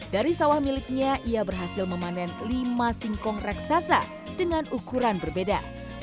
dari sawah miliknya ia berhasil memanen lima singkong raksasa dengan ukuran berbeda